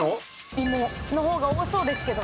芋の方が多そうですけど。